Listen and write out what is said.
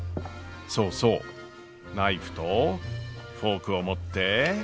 そうそうナイフとフォークを持って。